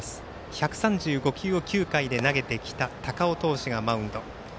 １３５球を９回で投げてきた高尾投手がマウンド。